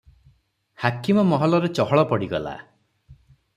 ହାକିମ ମହଲରେ ଚହଳ ପଡିଗଲା ।